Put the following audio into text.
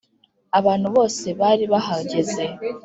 abantu bose bari bahageze